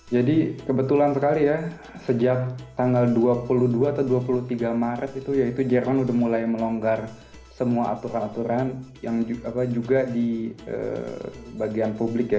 jadi kebetulan sekali ya sejak tanggal dua puluh dua atau dua puluh tiga maret itu ya itu jerman udah mulai melonggar semua aturan aturan yang juga di bagian publik ya